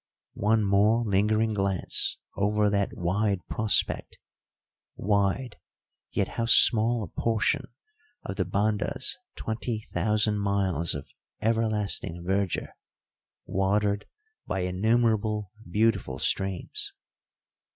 One more lingering glance over that wide prospect wide, yet how small a portion of the Banda's twenty thousand miles of everlasting verdure, watered by innumerable beautiful streams?